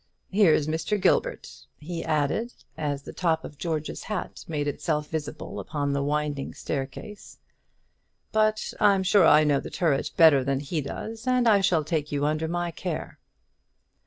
Here's Mr. Gilbert," he added, as the top of George's hat made itself visible upon the winding staircase; "but I'm sure I know the turret better than he does, and I shall take you under my care."